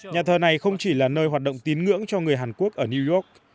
nhà thờ này không chỉ là nơi hoạt động tín ngưỡng cho người hàn quốc ở new york